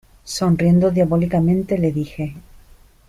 sonriendo diabólicamente, le dije: